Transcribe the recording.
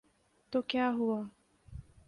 تو کیا ہوا۔